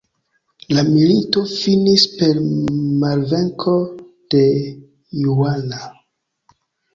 La milito finis per malvenko de Juana.